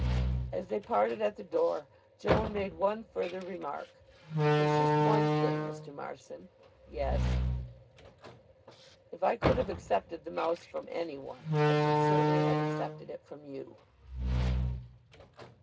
As they parted at the door, Joan made one further remark: "There's just one thing, Mr. Marson." "Yes?" "If I could have accepted the mouse from anyone I should certainly have accepted it from you."